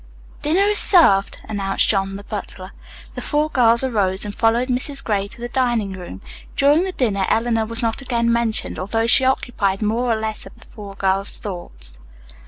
"Dinner is served," announced John, the butler. The four girls arose and followed Mrs. Gray to the dining room. During the dinner Eleanor was not again mentioned, although she occupied more or less of the four girls' thoughts.